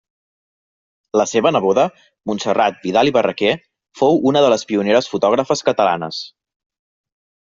La seva neboda, Montserrat Vidal i Barraquer, fou una de les pioneres fotògrafes catalanes.